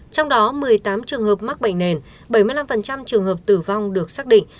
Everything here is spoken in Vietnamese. trong đó một mươi tám trường hợp mắc bệnh nền bảy mươi năm trường hợp tử vong được xác định